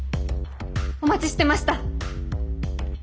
お待ちしてました。